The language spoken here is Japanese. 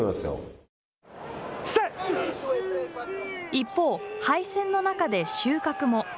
一方、敗戦の中で収穫も。